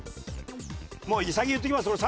もう先言っときます。